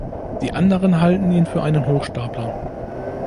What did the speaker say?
Die anderen halten ihn für einen Hochstapler.